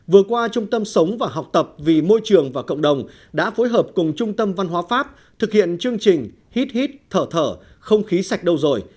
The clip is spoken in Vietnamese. vừa qua trung tâm sống và học tập vì môi trường và cộng đồng đã phối hợp cùng trung tâm văn hóa pháp thực hiện chương trình hít hít thở thở không khí sạch đâu rồi